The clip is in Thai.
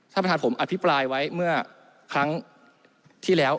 ท่านประธานผมอภิปรายไว้เมื่อครั้งที่แล้ว